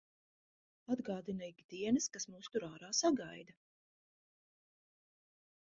Atgādina ik dienas, kas mūs tur ārā sagaida.